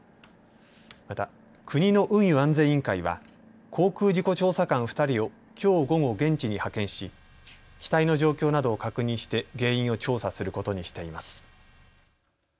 また国の運輸安全委員会は航空事故調査官２人をきょう午後、現地に派遣し機体の状況などを確認して原因を調査することにしています。